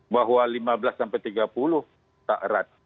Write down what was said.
bahwa lima belas sampai tiga puluh tak erat